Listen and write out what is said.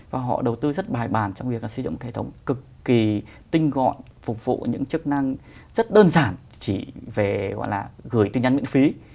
và họ đầu tư rất bài bàn trong việc xây dựng hệ thống cực kỳ tinh gọn phục vụ những chức năng rất đơn giản chỉ về gọi là gửi tin nhắn miễn phí